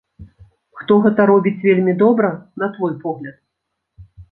Хто гэта робіць вельмі добра, на твой погляд?